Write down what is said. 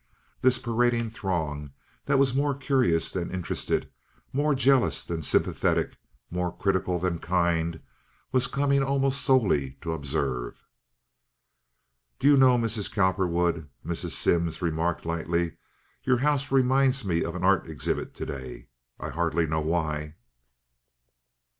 This parading throng that was more curious than interested, more jealous than sympathetic, more critical than kind, was coming almost solely to observe. "Do you know, Mrs. Cowperwood," Mrs. Simms remarked, lightly, "your house reminds me of an art exhibit to day. I hardly know why."